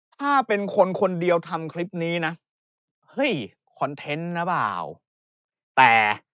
ถ้าเป็นคนคนเดียวทำคลิปนี้นะเฮ้ยคอนเทนต์หรือเปล่าแต่